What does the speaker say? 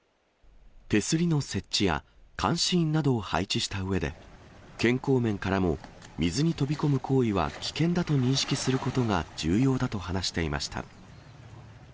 手すりの設置や監視員などを配置したうえで、健康面からも水に飛び込む行為は危険だと認識することが重要だと話していました。